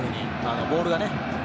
ボールがね。